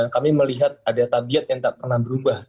kami melihat ada tabiat yang tak pernah berubah